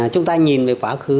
chúng ta nhìn về quá khứ